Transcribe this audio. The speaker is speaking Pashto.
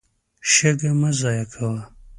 شګه مه ضایع کوه.